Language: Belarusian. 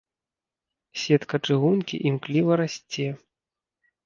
Сетка чыгункі імкліва расце.